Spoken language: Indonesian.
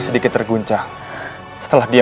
sedikit terguncang setelah dia